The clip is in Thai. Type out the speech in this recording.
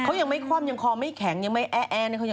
เขายังไม่คว่ำยังคอไม่แข็งยังไม่แอ๊ะยังไม่แห่วออก